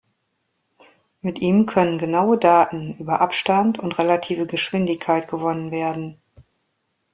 Mit ihm können genaue Daten über Abstand und relative Geschwindigkeit gewonnen werden.